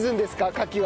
カキは。